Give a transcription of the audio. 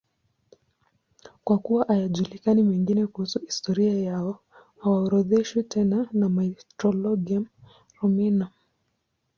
Kwa kuwa hayajulikani mengine kuhusu historia yao, hawaorodheshwi tena na Martyrologium Romanum.